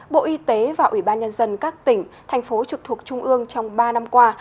bộ y tế và ủy ban nhân dân các tỉnh thành phố trực thuộc trung ương trong ba năm qua